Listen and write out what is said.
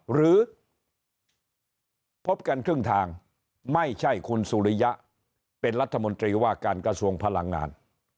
หรือพบกันครึ่งทางไม่ใช่คุณสุริยะเป็นรัฐมนตรีว่าการกระทรวงพลังงาน